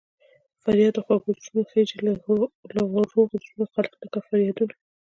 فریاد د خوږو زړونو خېژي له روغو زړونو خلک نه کا فریادونه